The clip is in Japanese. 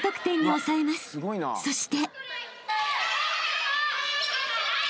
［そして］